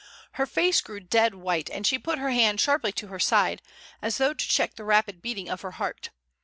Her face grew dead white and she put her hand sharply to her side, as though to check the rapid beating of her heart.